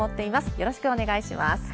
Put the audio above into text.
よろしくお願いします。